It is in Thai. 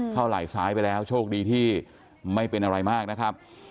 ไหล่ซ้ายไปแล้วโชคดีที่ไม่เป็นอะไรมากนะครับ